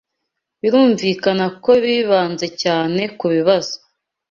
birumvikana ko bibanze cyane kubibazo